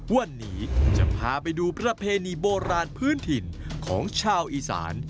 วันนี้จะพาไปดูประเพณีโบราณพื้นถิ่นของชาวอีสาน